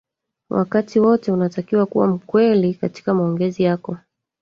wakati wote unatakiwa kuwa mkweli katika maongezi yako